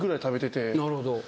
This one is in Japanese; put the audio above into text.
なるほど。